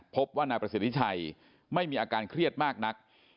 พบว่านายประสิทธิชัยไม่มีอาการเครียดมากนัก